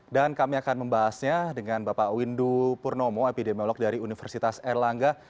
dan kami akan membahasnya dengan bapak windu purnomo epidemiolog dari universitas erlangga